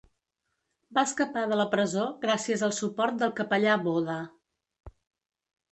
Va escapar de la presó gràcies al suport del capellà Boda.